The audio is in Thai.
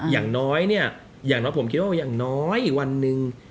อย่างน้อยเนี่ยอย่างน้อยผมคิดว่าอย่างน้อยอีกวันหนึ่ง